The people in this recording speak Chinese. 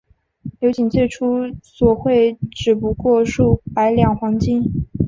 刘瑾最初索贿只不过数百两黄金。